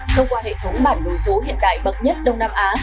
thông qua hệ thống bản đồ số hiện đại bậc nhất đông nam á